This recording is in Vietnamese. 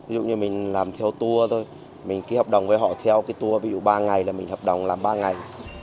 ví dụ như mình làm theo tour thôi mình ký hợp đồng với họ theo cái tour ví dụ ba ngày là mình hợp đồng là ba ngày